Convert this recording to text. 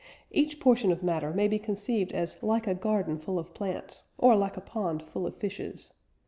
Each portion of matter may be conceived as like a garden full of plants, or like a pond full of fishes....